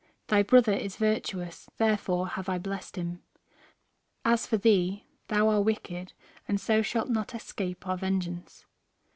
Thy brother is virtuous, therefore have I blessed him. As for thee, thou are wicked, and so shalt not escape our vengeance."